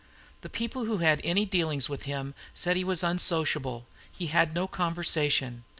The people who had any dealings with him said that he was unsociable; he had no conversation.